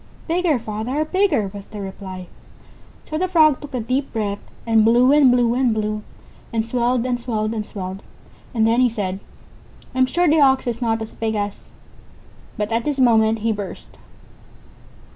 "Bigger, father, bigger," was the reply. So the Frog took a deep breath, and blew and blew and blew, and swelled and swelled and swelled. And then he said: "I'm sure the Ox is not as big as ______" But at this moment he burst.